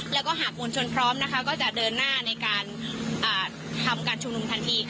แล้วก็หากมวลชนพร้อมนะคะก็จะเดินหน้าในการทำการชุมนุมทันที